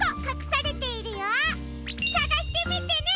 さがしてみてね！